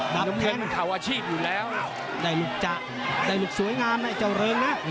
น้ำเงินเขาอาชีพอยู่แล้วได้ลูกสวยงามเจ้าเริ่งนะ